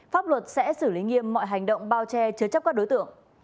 pháp luật sẽ xử lý nghiêm mọi hành động bao che chứa chấp các đối tượng